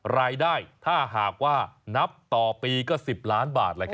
รายได้ถ้าหากว่านับต่อปีก็๑๐ล้านบาท